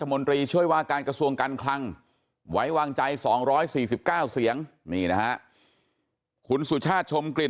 มนตรีช่วยว่าการกระทรวงการคลังไว้วางใจ๒๔๙เสียงนี่นะฮะคุณสุชาติชมกลิ่น